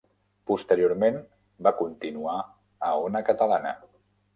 Posteriorment va continuar a Ona Catalana.